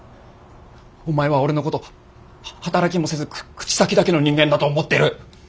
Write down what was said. お前は俺のことは働きもせず口先だけの人間だと思ってる。